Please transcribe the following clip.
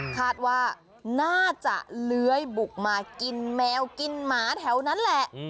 คาดว่าน่าจะเลื้อยบุกมากินแมวกินหมาแถวนั้นแหละ